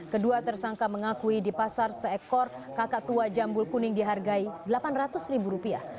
kedua tersangka mengakui di pasar seekor kakak tua jambul kuning dihargai delapan ratus ribu rupiah